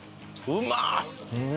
うまっ！